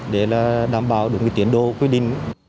để là đảm bảo được tiến đô quyết định